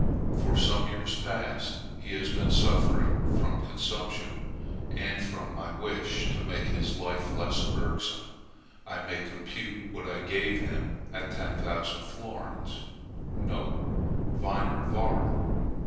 For some years past he has been suffering from consumption, and from my wish to make his life less irksome I may compute what I gave him at 10,000 florins (Wiener Währung).